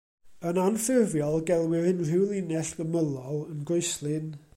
Yn anffurfiol, gelwir unrhyw linell ymylol yn groeslin.